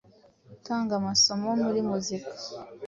Utanga amasomo muri muzika